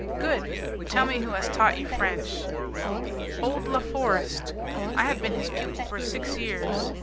"Good! Tell me who has taught you French." "Old La Forest. I have been his pupil for six years.